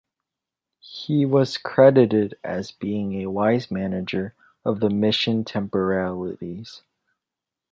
He was credited as being a wise manager of the mission temporalities.